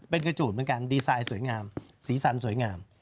เป็นกระจูดเหมือนกันดีไซน์สวยงามสีสันสวยงาม